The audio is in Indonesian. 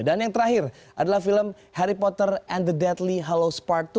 dan yang terakhir adalah film harry potter and the deadly hallows part dua